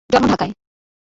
জন্ম ঢাকায়।